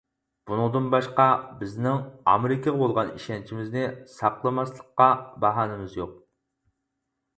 بۇنىڭدىن باشقا، بىزنىڭ ئامېرىكىغا بولغان ئىشەنچىمىزنى ساقلىماسلىققا باھانىمىز يوق.